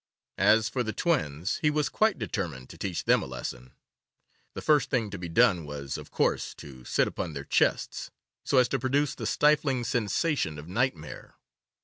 As for the twins, he was quite determined to teach them a lesson. The first thing to be done was, of course, to sit upon their chests, so as to produce the stifling sensation of nightmare.